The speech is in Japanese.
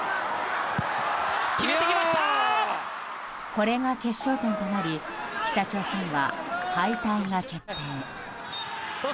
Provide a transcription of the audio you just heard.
これが決勝点となり北朝鮮は敗退が決定。